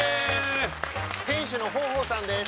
店主の豊豊さんです。